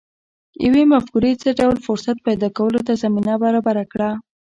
يوې مفکورې څه ډول فرصت پيدا کولو ته زمينه برابره کړه؟